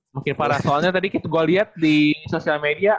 makin parah soalnya tadi gue liat di sosial media